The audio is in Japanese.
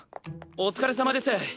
お疲れさまです。